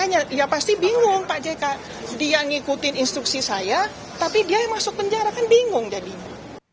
ya pasti bingung pak jk dia ngikutin instruksi saya tapi dia yang masuk penjara kan bingung jadinya